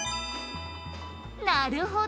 「なるほど！